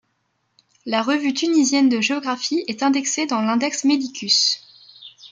La Revue tunisienne de géographie est indexée dans l'Index Medicus.